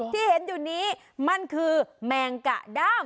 ที่เห็นอยู่นี้มันคือแมงกะด้าม